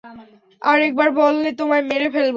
আরেকবার বললে তোমায় মেরে ফেলবো!